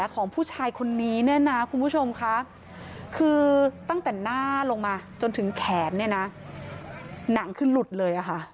คุณผู้ชมค่ะคือตั้งแต่หน้าลงมาจนถึงแขนนะหนังคือหลุดเลยค่ะ